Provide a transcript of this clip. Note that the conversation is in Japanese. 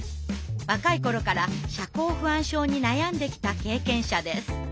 若い頃から社交不安症に悩んできた経験者です。